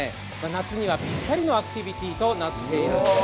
夏にはぴったりのアクティビティーとなっているんです。